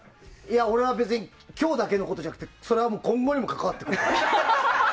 俺は別に今日だけのことじゃなくて今後にも関わってくる。